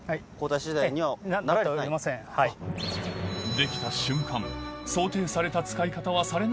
できた瞬間